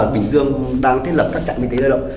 bình dương đang thiết lập các trạm y tế lao động